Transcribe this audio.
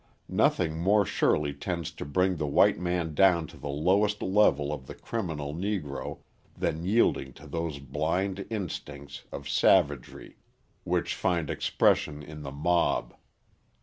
Nothing more surely tends to bring the white man down to the lowest level of the criminal Negro than yielding to those blind instincts of savagery which find expression in the mob.